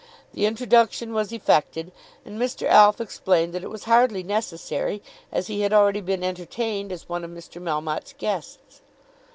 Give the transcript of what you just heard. The introduction was effected, and Mr. Alf explained that it was hardly necessary, as he had already been entertained as one of Mr. Melmotte's guests.